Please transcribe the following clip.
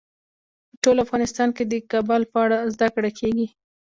په ټول افغانستان کې د کابل په اړه زده کړه کېږي.